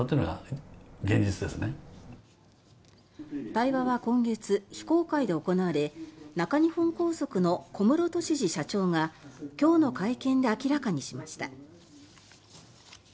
対話は今月非公開で行われ中日本高速の小室俊二社長が今日の会見で明らかにしました。